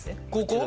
ここ？